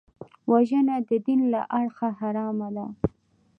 وژنه د دین له اړخه حرامه ده